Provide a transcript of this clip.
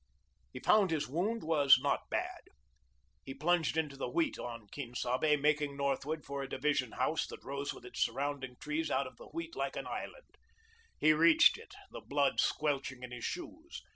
He found his wound was not bad. He plunged into the wheat on Quien Sabe, making northward for a division house that rose with its surrounding trees out of the wheat like an island. He reached it, the blood squelching in his shoes.